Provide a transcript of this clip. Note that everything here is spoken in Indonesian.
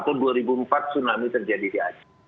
tahun dua ribu empat tsunami terjadi di aji